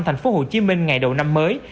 thành phố hồ chí minh ngày đầu năm mới